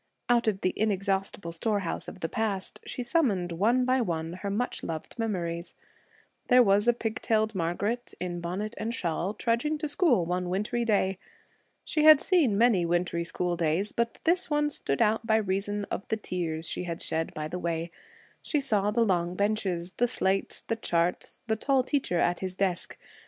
Out of the inexhaustible storehouse of the past, she summoned, one by one, her much loved memories. There was a pig tailed Margaret in bonnet and shawl, trudging to school one wintry day. She had seen many wintry school days, but this one stood out by reason of the tears she had shed by the way. She saw the long benches, the slates, the charts, the tall teacher at his desk.